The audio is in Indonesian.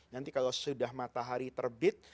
nanti kalau sudah matahari terbit